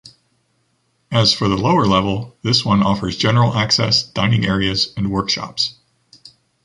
As for the lower level, this one offers general access, dining areas, and workshops.